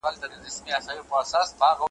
یا سېلابونه یا زلزلې دي ,